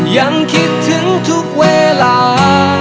ยังคิดถึงทุกเวลา